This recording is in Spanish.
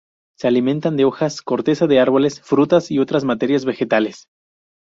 Se alimentan de hojas, corteza de árboles, frutas y otras materias vegetales.